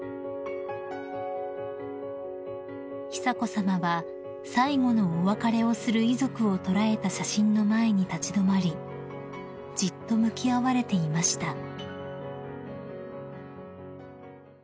［久子さまは最後のお別れをする遺族を捉えた写真の前に立ち止まりじっと向き合われていました］